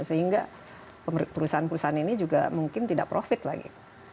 sehingga perusahaan perusahaan ini juga mungkin tidak profit lagi